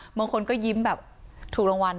บางคนก็ยิ้มแบบถูกรางวัล